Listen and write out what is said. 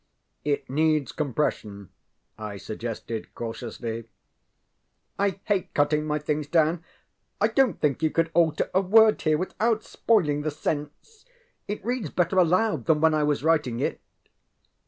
ŌĆ£It needs compression, ŌĆØ I suggested, cautiously. ŌĆ£I hate cutting my things down. I donŌĆÖt think you could alter a word here without spoiling the sense. It reads better aloud than when I was writing it.